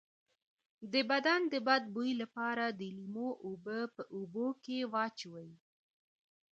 د بدن د بد بوی لپاره د لیمو اوبه په اوبو کې واچوئ